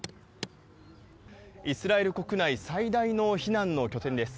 イスラエル国内最大の避難の拠点です。